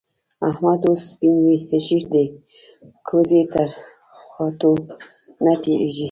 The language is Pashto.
احمد اوس سپين ږير دی؛ ګوز يې تر خوټو نه تېرېږي.